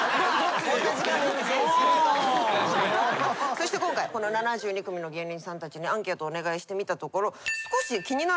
そして今回この７２組の芸人さんたちにアンケートをお願いしてみたところ。